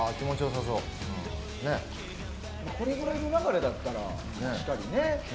これくらいの流れだったら確かにね。